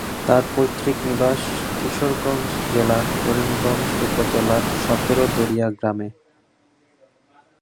তার পৈত্রিক নিবাস কিশোরগঞ্জ জেলার করিমগঞ্জ উপজেলার সতেরো দরিয়া গ্রামে।